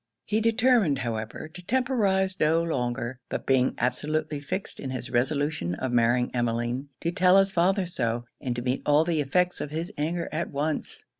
He determined, however, to temporize no longer; but being absolutely fixed in his resolution of marrying Emmeline, to tell his father so, and to meet all the effects of his anger at once.